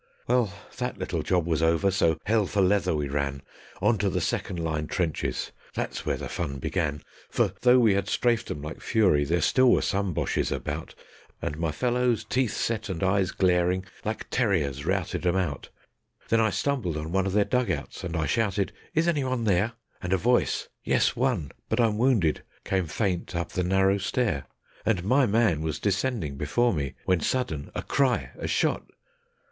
Well, that little job was over, so hell for leather we ran, On to the second line trenches, that's where the fun began. For though we had strafed 'em like fury, there still were some Boches about, And my fellows, teeth set and eyes glaring, like terriers routed 'em out. Then I stumbled on one of their dug outs, and I shouted: "Is anyone there?" And a voice, "Yes, one; but I'm wounded," came faint up the narrow stair; And my man was descending before me, when sudden a cry! a shot!